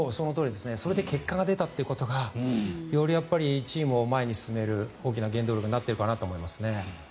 それで結果が出たということがよりチームを前に進める大きな原動力になっていると思います。